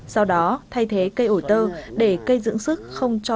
sau đó thay thế cây ổi tơ để cây dưỡng sức không bị chết